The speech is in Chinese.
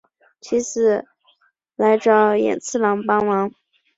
妻子来找寅次郎帮忙。